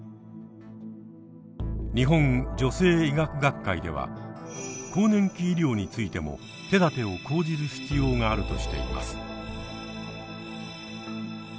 日本女性医学学会では更年期医療についても手だてを講じる必要があるとしています。